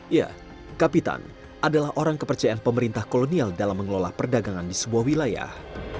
ya kapitan adalah orang kepercayaan pemerintah kolonial dalam mengelola perdagangan di sebuah wilayah